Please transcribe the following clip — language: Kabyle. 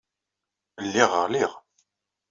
Lliɣ ɣelliɣ.